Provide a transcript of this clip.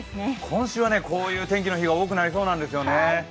今週はこういう天気の日が多くなりそうなんですよね。